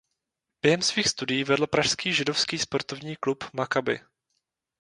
Během svých studií vedl pražský židovský sportovní klub Makabi.